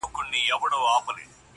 نو شاعري څه كوي,